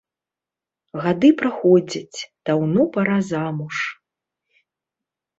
Гады праходзяць, даўно пара замуж.